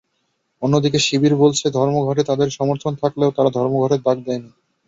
অন্যদিকে শিবির বলছে, ধর্মঘটে তাদের সমর্থন থাকলেও তারা ধর্মঘটের ডাক দেয়নি।